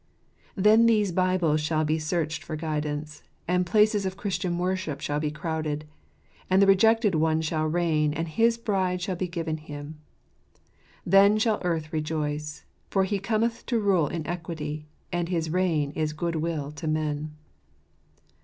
Then these Bibles shall be searched for guidance, and places of Christian worship shall be crowded ; and the Rejected One shall reign, and his bride shall be given Him. Then shall earth rejoice; for He cometh to rule in equity, and his reign is goodwill to men